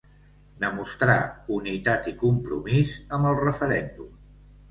Demostrar unitat i compromís amb el referèndum.